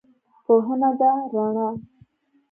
پوهنه ده رڼا